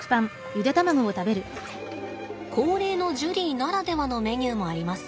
高齢のジュリーならではのメニューもあります。